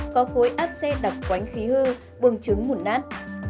có khối áp xe đập quánh khí hư buồng trứng mùn nát